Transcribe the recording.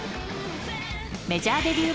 メジャーデビュー